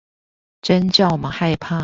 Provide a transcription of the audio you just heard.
真叫我們害怕